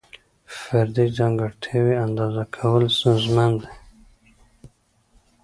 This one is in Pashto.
فردي ځانګړتیاوې اندازه کول ستونزمن دي.